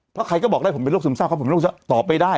เพราะใครก็บอกได้ผมเป็นโรคซึมซ่าผมเป็นโรคซึมซ่าตอบไปได้